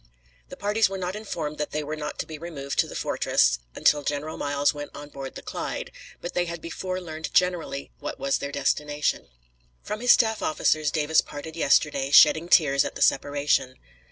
The parties were not informed that they were not to be removed to the fortress until General Miles went on board the Clyde, but they had before learned generally what was their destination. From his staff officers Davis parted yesterday, shedding tears at the separation.